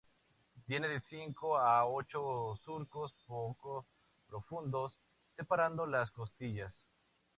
Tiene de cinco a ocho surcos poco profundos separando las costillas.